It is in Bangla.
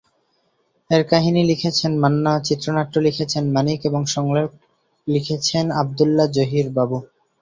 এর কাহিনী লিখেছেন মান্না, চিত্রনাট্য লিখেছেন মানিক এবং সংলাপ লিখেছেন আবদুল্লাহ জহির বাবু।